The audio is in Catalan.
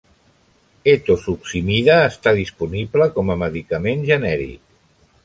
Etosuximida està disponible com a medicament genèric.